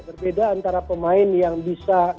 berbeda antara pemain yang bisa